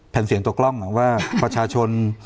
เสียงตัวกล้องว่าประชาชน